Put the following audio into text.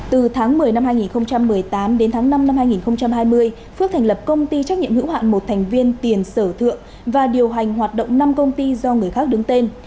từ tháng một mươi năm hai nghìn một mươi tám đến tháng năm năm hai nghìn hai mươi phước thành lập công ty trách nhiệm hữu hạn một thành viên tiền sở thượng và điều hành hoạt động năm công ty do người khác đứng tên